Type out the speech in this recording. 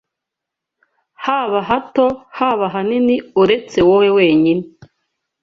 haba hato haba hanini uretse wowe wenyine